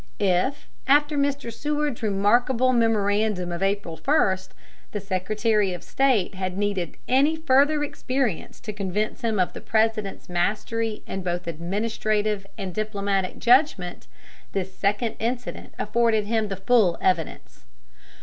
If, after Mr. Seward's remarkable memorandum of April 1, the Secretary of State had needed any further experience to convince him of the President's mastery in both administrative and diplomatic judgment, this second incident afforded him the full evidence.